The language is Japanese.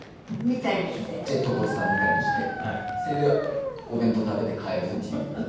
ジェットコースター見たりしてそれでお弁当食べて帰るっていう。